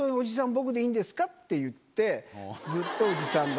僕でいいんですか？」って言って。